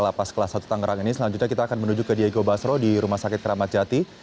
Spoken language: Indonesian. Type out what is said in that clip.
lapas kelas satu tangerang ini selanjutnya kita akan menuju ke diego basro di rumah sakit keramat jati